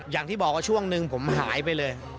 อย่างที่บอกว่าช่วงหนึ่งผมหายไปเลย